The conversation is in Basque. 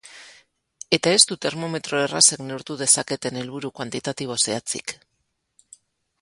Eta ez du termometro errazek neurtu dezaketen helburu kuantitatibo zehatzik.